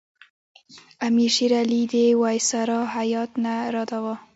امیر شېر علي د وایسرا هیات نه رداوه.